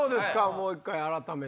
もう１回改めて。